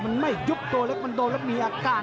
มันไม่ยุบตัวเล็กมันโดนแล้วมีอาการ